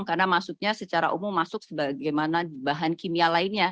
karena maksudnya secara umum masuk sebagaimana bahan kimia lainnya